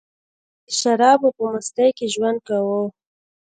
هغه د شرابو په مستۍ کې ژوند کاوه